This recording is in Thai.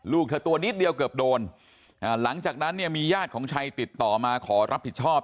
ลูกเธอตัวนิดเดียวเกือบโดนอ่าหลังจากนั้นเนี่ยมีญาติของชัยติดต่อมาขอรับผิดชอบ